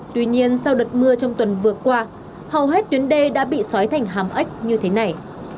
tuy nhiên sau đợt mưa trong tuần vừa qua hầu hết tuyến đê đã bị xói thành hàm ếch như thế này